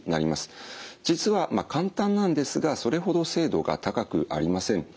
実は簡単なんですがそれほど精度が高くありません。